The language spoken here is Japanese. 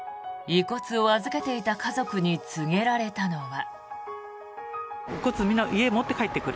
遺骨を預けていた家族に告げられたのは。